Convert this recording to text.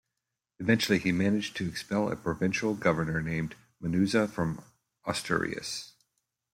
Eventually, he managed to expel a provincial governor named Munuza from Asturias.